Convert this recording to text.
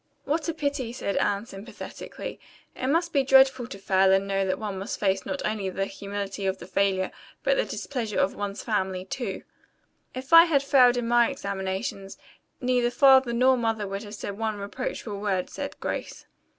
"What a pity," said Anne sympathetically. "It must be dreadful to fail and know that one must face not only the humility of the failure, but the displeasure of one's family too." "If I had failed in my examinations neither Father nor Mother would have said one reproachful word," said Grace.